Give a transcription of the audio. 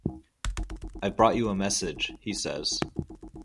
"I've brought you a message," he says.